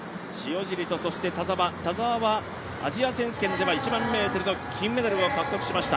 田澤はアジア選手権では１００００ｍの金メダルを獲得しました。